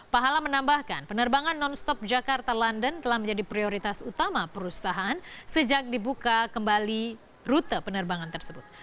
pahala menambahkan penerbangan non stop jakarta london telah menjadi prioritas utama perusahaan sejak dibuka kembali rute penerbangan tersebut